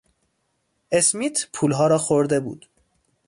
اسمیت پولها را خورده بود.